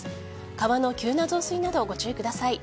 川の急な増水などご注意ください。